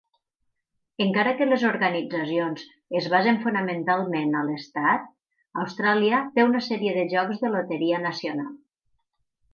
Encara que les organitzacions es basen fonamentalment a l"estat, Austràlia té una sèrie de jocs de loteria nacional.